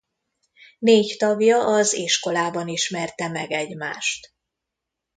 Négy tagja az iskolában ismerte meg egymást.